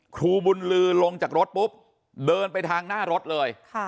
ครูบุญลือลงจากรถปุ๊บเดินไปทางหน้ารถเลย